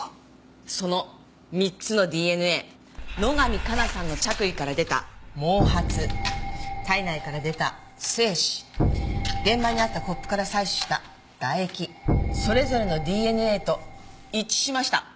その３つのＤＮＡ野上加奈さんの着衣から出た毛髪体内から出た精子現場にあったコップから採取した唾液それぞれのＤＮＡと一致しました。